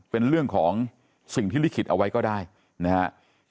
เป็นเรื่องของสิ่งที่ลิขิตเอาไว้ก็ได้นะครับ